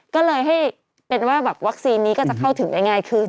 ก็เลยให้เป็นว่าแบบวัคซีนนี้ก็จะเข้าถึงได้ง่ายขึ้น